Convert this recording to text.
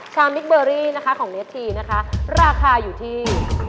ชามมิชเบอรี่ของเรททีนะคะราคาอยู่ที่